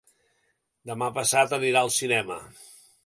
Demà passat anirà al cinema.